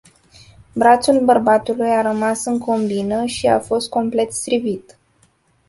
Brațul bărbatului a rămas în combină și a fost complet strivit.